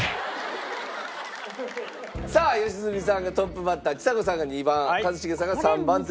さあ良純さんがトップバッターちさ子さんが２番一茂さんが３番という順番で。